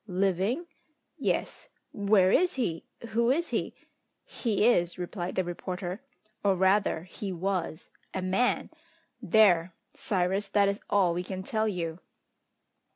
"Living?" "Yes." "Where is he? Who is he?" "He is," replied the reporter, "or rather he was, a man! There, Cyrus, that is all we can tell you!"